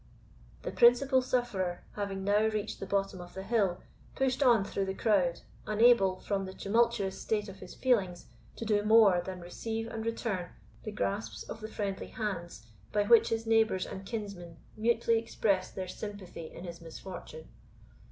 The principal sufferer, having now reached the bottom of the hill, pushed on through the crowd, unable, from the tumultuous state of his feelings, to do more than receive and return the grasps of the friendly hands by which his neighbours and kinsmen mutely expressed their sympathy in his misfortune.